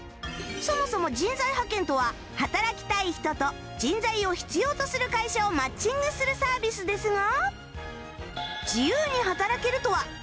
そもそも人材派遣とは働きたい人と人材を必要とする会社をマッチングするサービスですが